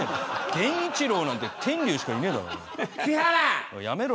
源一郎なんて天龍しかいねえだろ。